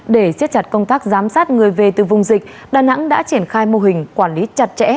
để siết chặt công tác giám sát người về từ vùng dịch đà nẵng đã triển khai mô hình quản lý chặt chẽ